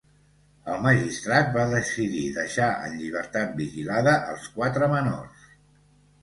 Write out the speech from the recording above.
El magistrat va decidir deixar en llibertat vigilada als quatre menors.